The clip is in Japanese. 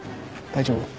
大丈夫？